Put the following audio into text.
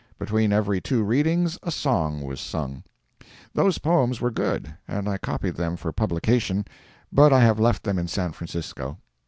Between every two readings a song was sung. Those poems were good, and I copied them for publication, but I have left them in San Francisco.